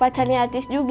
pacarnya artis juga